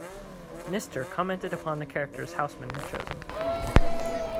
Knister commented upon the characters Housman had chosen.